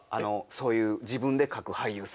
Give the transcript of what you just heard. そういう自分で描く俳優さん。